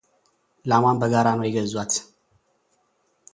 ላሟን በጋራ ነው የገዟት፡፡